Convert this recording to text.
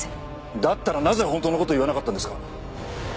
だったらなぜ本当の事を言わなかったんですか？